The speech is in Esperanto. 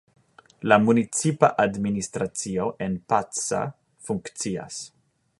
La municipa administracio en Pacsa funkcias.